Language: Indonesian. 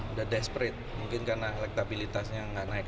udah desperate mungkin karena elektabilitasnya nggak naik